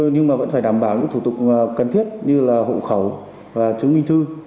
nhưng vẫn phải đảm bảo những thủ tục cần thiết như hộ khẩu và chứng minh thư